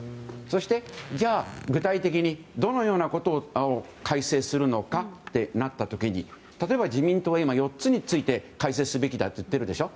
そして具体的にどのようなことを改正するのかってなった時に例えば自民党、今４つについて改正すべきだって言ってるでしょ。